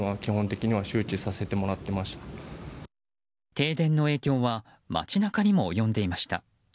停電の影響は街中にも及んでいました。